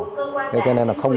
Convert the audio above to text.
thế nên là không có khó khăn